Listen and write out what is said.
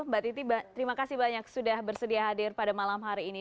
mbak titi terima kasih banyak sudah bersedia hadir pada malam hari ini